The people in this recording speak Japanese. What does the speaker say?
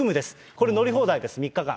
これ、乗り放題です、３日間。